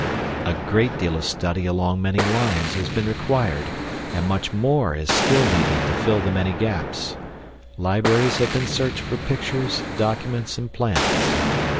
A great deal of study along many lines has been required and much more is still needed to fill the many gaps. Libraries have been searched for pictures, documents, and plans.